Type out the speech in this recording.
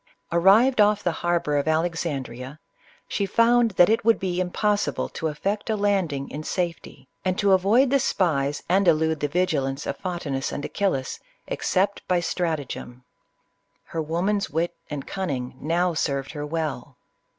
Arrived off the harbor of Alexandria, she found that it would be impossible to effect a landing in safe ty, and to avoid the spies and elude the vigilance of Photinus and Achillas, except by stratagem. Her woman's wit and cunning now served her well.